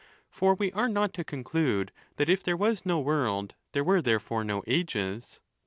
For we are not to conclude that, if there was no world, there were therefore no ages.